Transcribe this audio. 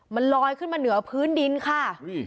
มันลอยขึ้นมาเหนือพื้นดินค่ะ